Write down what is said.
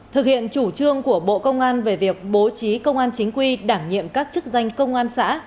thực hiện chủ trương của bộ công an về việc bố trí công an chính quy đảm nhiệm các chức danh công an xã